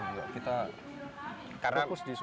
enggak kita fokus di solo